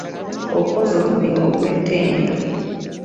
Okoze omulimu ogw'ettendo.